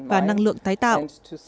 và năng lượng tái tạo